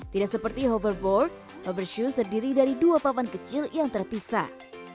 tidak seperti hoverboard hover shoes terdiri dari dua papan kecil yang terpisah